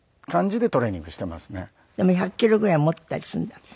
でも１００キロぐらい持ったりするんだって？